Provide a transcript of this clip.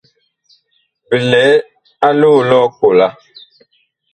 Bi lɛ a loo lʼ ɔkola.